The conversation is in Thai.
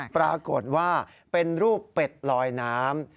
ปรากฏว่าเป็นรูปเป็ดลอยน้ำ